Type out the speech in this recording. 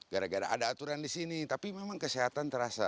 gara gara ada aturan di sini tapi memang kesehatan terasa